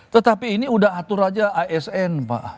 tetapi ini sudah atur saja asn pak